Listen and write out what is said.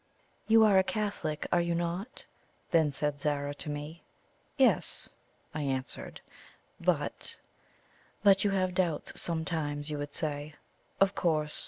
"You are a Catholic, are you not?" then said Zara to me. "Yes," I answered; "but " "But you have doubts sometimes, you would say! Of course.